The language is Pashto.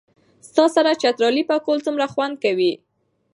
ستا سره چترالي پکول څومره خوند کئ